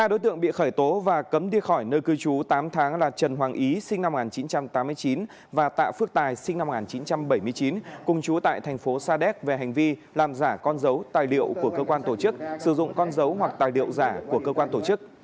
ba đối tượng bị khởi tố và cấm đi khỏi nơi cư trú tám tháng là trần hoàng ý sinh năm một nghìn chín trăm tám mươi chín và tạ phước tài sinh năm một nghìn chín trăm bảy mươi chín cùng chú tại thành phố sa đéc về hành vi làm giả con dấu tài liệu của cơ quan tổ chức sử dụng con dấu hoặc tài liệu giả của cơ quan tổ chức